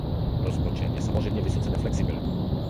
Rozpočet je samozřejmě vysoce neflexibilní.